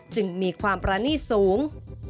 จึงมีความประณีตสูง